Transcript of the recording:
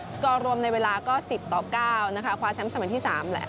สกอร์รรวมในเวลาก็สิบต่อเก้านะคะคว้าแชมป์สำหรัฐที่สามแหละ